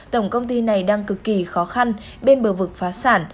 tổng công ty này đang cực kỳ khó khăn bên bờ vực phá sản